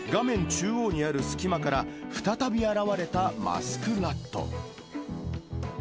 中央にある隙間から再び現れたマスクラット。